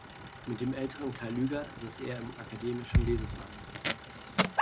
Mit dem älteren Karl Lueger saß er im Akademischen Leseverein.